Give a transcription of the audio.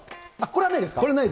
これはないです。